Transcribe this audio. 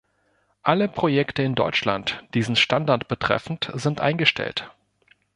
Alle Projekte in Deutschland, diesen Standard betreffend, sind eingestellt.